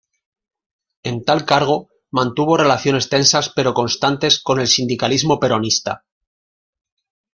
En tal cargo mantuvo relaciones tensas pero constantes con el sindicalismo peronista.